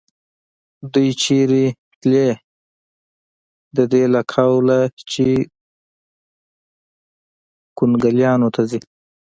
دوی چېرې تلې؟ د دې له قوله چې کونګلیانو ته ځي.